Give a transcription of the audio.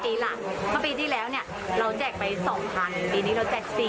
เพราะปีที่แล้วเนี่ยเราแจกไป๒๐๐ปีนี้เราแจก๔๐